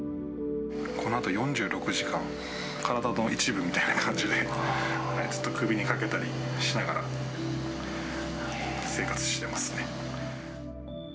このあと４６時間、体の一部みたいな感じで、ずっと首に掛けたりしながら生活してますね。